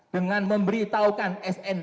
dengan memberitahukan snpb